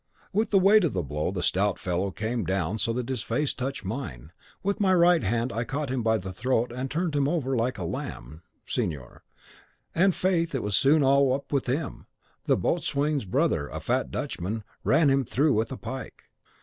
With the weight of the blow the stout fellow came down so that his face touched mine; with my right hand I caught him by the throat, turned him over like a lamb, signor, and faith it was soon all up with him: the boatswain's brother, a fat Dutchman, ran him through with a pike.